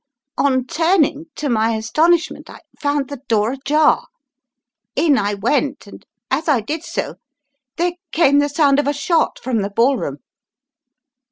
On turning, to my astonish ment, I found the door ajar. In I went, and as I did so, there came the sound of a shot — from the ballroom."